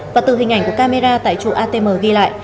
và từ hình ảnh của camera tại trụ atm ghi lại